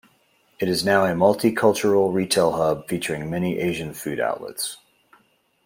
It is now a multi-cultural retail hub featuring many Asian food outlets.